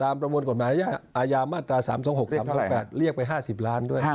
อาญามาตรา๓๒๖๓๘เรียกไป๕๐ล้านด้วย